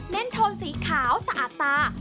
เน้นโทนสีขาวสะอาดตา